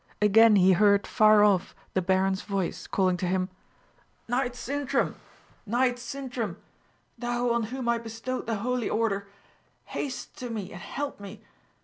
Again he heard far off the baron's voice calling to him, "Knight Sintram, knight Sintram, thou on whom I bestowed the holy order, haste to me and help me!